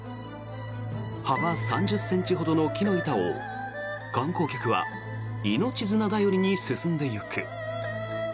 幅３０ｃｍほどの木の板を観光客は命綱頼りに進んでいく。